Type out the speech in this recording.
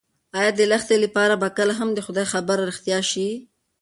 ایا د لښتې لپاره به کله هم د خدای خبره رښتیا شي؟